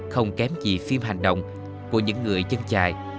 không kém gì phim hành động của những người chân trài